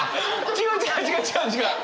違う違う違う違う違う！